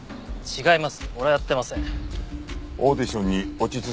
違います。